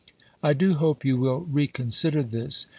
I do hope you will re consider this.